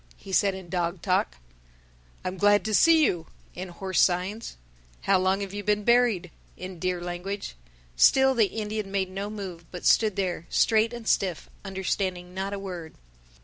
he said in dog talk; "I am glad to see you," in horse signs; "How long have you been buried?" in deer language. Still the Indian made no move but stood there, straight and stiff, understanding not a word.